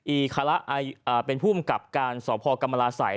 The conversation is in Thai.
อีขลาโดยเป็นผู้แม่กลับการสอบพรกรรมราศัย